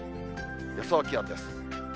予想気温です。